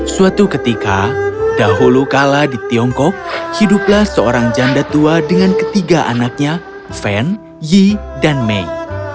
suatu ketika dahulu kala di tiongkok hiduplah seorang janda tua dengan ketiga anaknya van yi dan mei